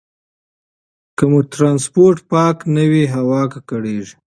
که مو ټرانسپورټ پاک نه وي، هوا ککړېږي.